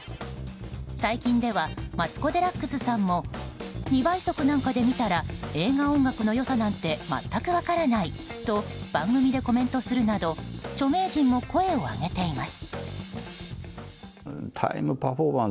最近ではマツコ・デラックスさんも２倍速なんかで見たら映画、音楽の良さなんて全く分からないと番組でコメントするなど著名人も声を上げています。